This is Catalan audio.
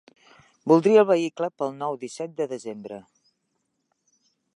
Voldria el vehicle pel nou-disset de desembre.